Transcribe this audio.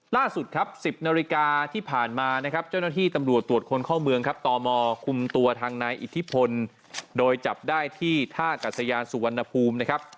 ล่าสุดครับ๑๐นาฬิกาที่ผ่านมานะครับเจ้าหน้าที่ตำรวจตรวจคนเข้าเมืองครับตมคุมตัวทางนายอิทธิพลโดยจับได้ที่ท่ากัศยานสุวรรณภูมินะครับ